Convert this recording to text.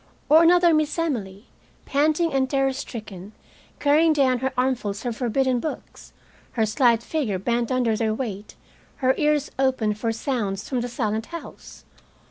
Or another Miss Emily, panting and terror stricken, carrying down her armfuls of forbidden books, her slight figure bent under their weight, her ears open for sounds from the silent house?